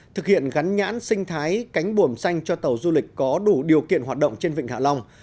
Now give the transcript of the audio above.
thực hiện gắn nhãn sinh thái cánh buồm xanh cho tàu du lịch có đủ điều kiện hoạt động trên vịnh hạ long